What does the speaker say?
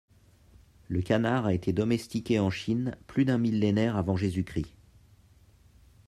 Le canard a été domestiqué en Chine plus d'un millénaire avant Jésus-Christ.